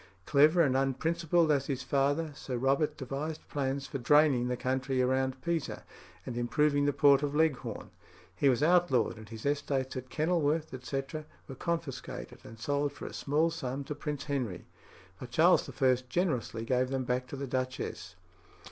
Clever and unprincipled as his father, Sir Robert devised plans for draining the country round Pisa, and improving the port of Leghorn. He was outlawed, and his estates at Kenilworth, etc. were confiscated and sold for a small sum to Prince Henry; but Charles I. generously gave them back to the duchess.